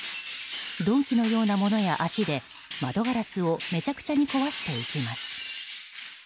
鈍器のようなものや足で窓ガラスをめちゃくちゃに壊していきます。